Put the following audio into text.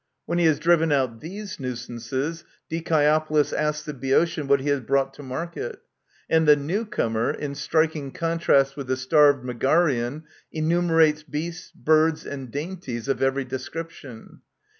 When he has driven out these nuisances, Dicae opolis asks the Boeotian what he has brought to market ; and the new comer, in striking contrast with the starved Megarian, enumerates beasts, birds, and dainties of every description.